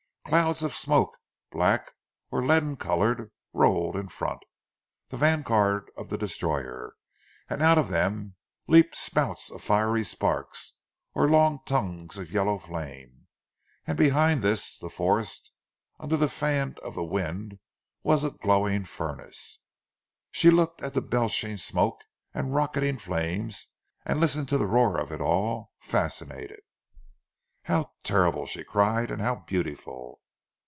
Clouds of smoke, black or leaden coloured rolled in front, the vanguard of the destroyer, and out of them leaped spouts of fiery sparks, or long tongues of yellow flame, and behind this, the forest under the fan of the wind was a glowing furnace. She looked at the belching smoke and the rocketing flames and listened to the roar of it all, fascinated. "How terrible," she cried, "and how beautiful."